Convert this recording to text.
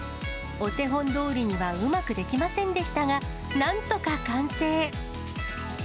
お手本どおりにはうまくできませんでしたが、なんとか完成。